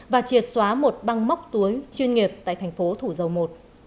và triệt xóa một băng móc túi chuyên nghiệp tại thành phố thủ dầu một